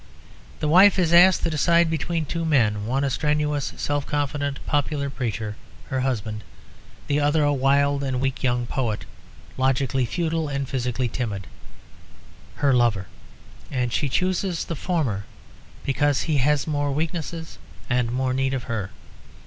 The wife is asked to decide between two men, one a strenuous self confident popular preacher, her husband, the other a wild and weak young poet, logically futile and physically timid, her lover; and she chooses the former because he has more weakness and more need of her.